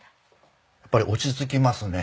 やっぱり落ち着きますね。